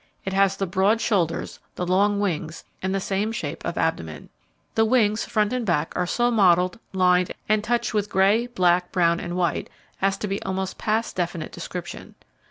It has the broad shoulders, the long wings, and the same shape of abdomen. The wings, front and back, are so mottled, lined, and touched with grey, black, brown and white, as to be almost past definite description.